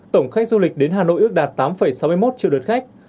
tổng khách du lịch đến hà nội ước đạt tám sáu mươi một triệu lượt khách